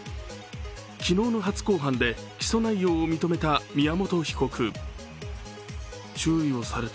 昨日の初公判で起訴内容を認めた宮本被告。